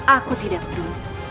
aku tidak peduli